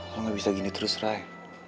lo gak bisa gini terus ray